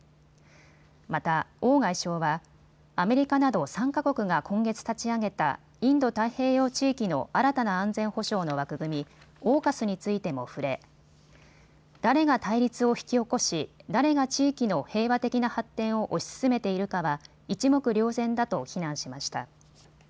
また王外相はアメリカなど３か国が今月立ち上げたインド太平洋地域の新たな安全保障の枠組み、ＡＵＫＵＳについても触れ誰が対立を引き起こし誰が地域の平和的な発展を推し進めているかは一目瞭然だと非難しました。